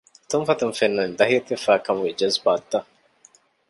ތުންފަތުން ފެންނަނީ ދަހިވެތި ވެފައިވާކަމުގެ ޖަޒުބާތުތައް